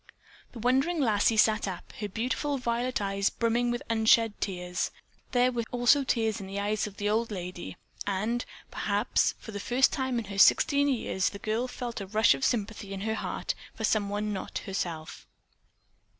The wondering lassie sat up, her beautiful violet eyes brimming with unshed tears. There were also tears in the eyes of the old lady, and, perhaps, for the first time in her sixteen years the girl felt a rush of sympathy in her heart for someone not herself.